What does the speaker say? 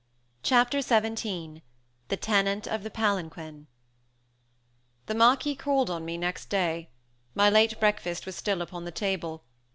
Chapter XVII THE TENANT OF THE PALANQUIN The Marquis called on me next day. My late breakfast was still upon the table.